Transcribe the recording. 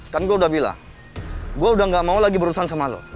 kan gue udah bilang gue udah gak mau lagi berurusan sama lo